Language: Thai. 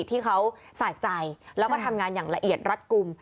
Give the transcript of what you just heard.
ที่เขาสะใจแล้วก็ทำงานอย่างละเอียดรัดกลุ่ม